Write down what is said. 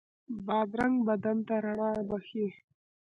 بادرنګ بدن ته رڼا بښي.